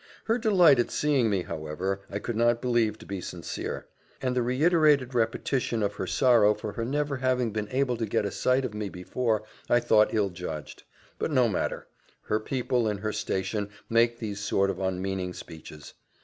Her delight at seeing me, however, I could not believe to be sincere; and the reiterated repetition of her sorrow for her never having been able to get a sight of me before, I thought ill judged: but no matter; many people in her station make these sort of unmeaning speeches.